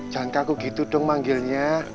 jangan kaku gitu dong manggilnya